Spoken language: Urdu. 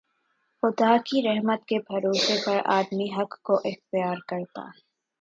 خدا کی رحمت کے بھروسے پر آدمی حق کو اختیار کرتا